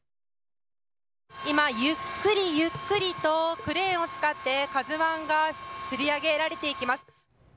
今、ゆっくりゆっくりとクレーンを使って「ＫＡＺＵ１」がつり上げられていきます。